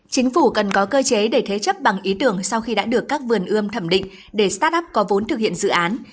chính phủ cần có cơ chế để thế chấp bằng ý tưởng sau khi đã được các vườn ươm thẩm định để start up có vốn thực hiện dự án